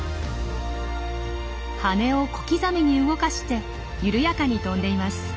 羽を小刻みに動かして緩やかに飛んでいます。